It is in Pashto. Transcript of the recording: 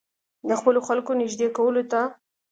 د خپلو خلکو نېږدې کولو ته.